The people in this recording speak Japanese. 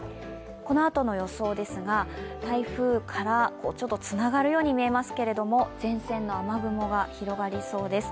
このあとの予想ですが、台風からつながるように見えますけれども前線の雨雲が広がりそうです。